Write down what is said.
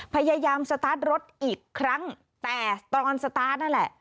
พยายามสตาร์ทรถอีกครั้งแต่ตอนสตาร์ทนั่นแหละ